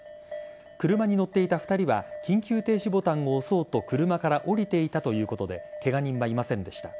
車に乗っていた２人は緊急停止ボタンを押そうと車から降りていたということでケガ人はいませんでした。